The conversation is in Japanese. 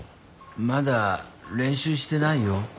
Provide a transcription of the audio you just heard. まだ練習してないよ。